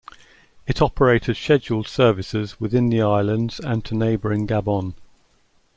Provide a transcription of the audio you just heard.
It operated scheduled services within the islands and to neighbouring Gabon.